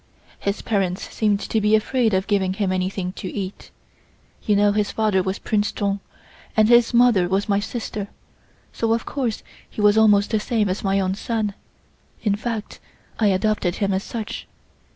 His parents seemed to be afraid of giving him anything to eat. You know his father was Prince Chung, and his mother was my sister, so of course he was almost the same as my own son, in fact I adopted him as such.